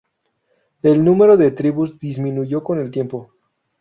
El número de tribus disminuyó con el tiempo.